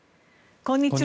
こんにちは。